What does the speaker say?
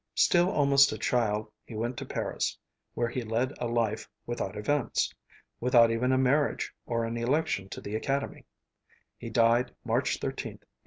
Still almost a child he went to Paris, where he led a life without events, without even a marriage or an election to the Academy; he died March 13th, 1891.